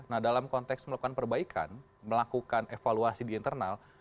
nah dalam konteks melakukan perbaikan melakukan evaluasi di internal